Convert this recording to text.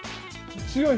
強い。